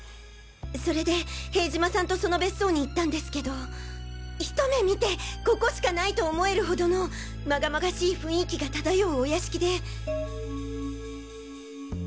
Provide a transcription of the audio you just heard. それで塀島さんとその別荘に行ったんですけど一目見てここしかないと思えるほどの禍々しい雰囲気が漂うお屋敷で。